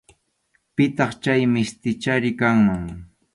Pitaq chay mistichari kanman.